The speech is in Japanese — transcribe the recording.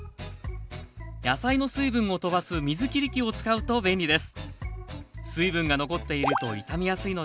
野菜の水分を飛ばす水切り器を使うと便利です